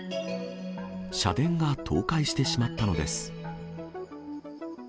社殿が倒壊してしまったのです。